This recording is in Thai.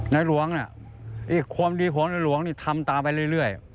นายหลวงเนี่ยความดีของนายหลวงเนี่ยทำตามไปเรื่อย